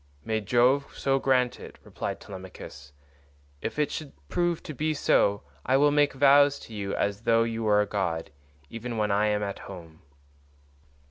"May Jove so grant it," replied Telemachus, "if it should prove to be so, I will make vows to you as though you were a god, even when I am at home."